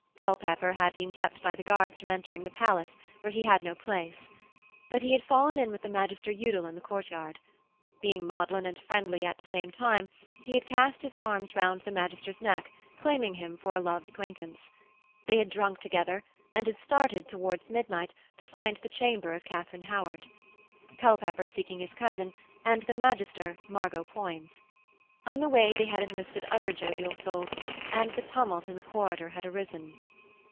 Culpepper had been kept by the guards from entering the palace, where he had no place. But he had fallen in with the Magister Udal in the courtyard. Being maudlin and friendly at the time, he had cast his arms round the magister's neck claiming him for a loved acquaintance. They had drunk together and had started, towards midnight, to find the chamber of Katharine Howard, Culpepper seeking his cousin, and the magister, Margot Poins. On the way they had enlisted other jovial souls, and the tumult in the corridor had arisen.